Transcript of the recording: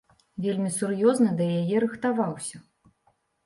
Вельмі сур'ёзна да яе рыхтаваўся.